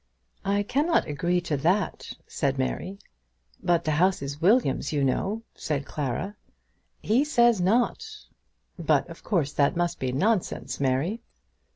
"I cannot agree to that," said Mary. "But the house is William's, you know," said Clara. "He says not." "But of course that must be nonsense, Mary."